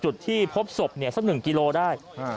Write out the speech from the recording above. จุดที่พบศพสัก๑กิโลได้